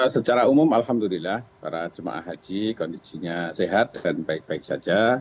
secara umum alhamdulillah para jemaah haji kondisinya sehat dan baik baik saja